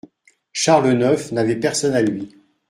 Charles neuf n'avait personne à lui.